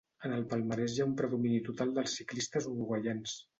En el palmarès hi ha un predomini total dels ciclistes uruguaians.